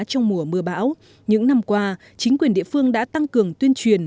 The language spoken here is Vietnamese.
trong mùa mưa bão những năm qua chính quyền địa phương đã tăng cường tuyên truyền